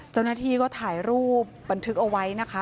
เจ้าหน้าที่ก็ถ่ายรูปบันทึกเอาไว้นะคะ